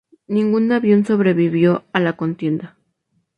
Ningún avión sobrevivió a la contienda.